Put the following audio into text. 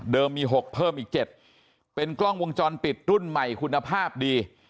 มี๖เพิ่มอีก๗เป็นกล้องวงจรปิดรุ่นใหม่คุณภาพดี